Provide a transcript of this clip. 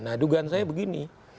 nah dugaan saya begini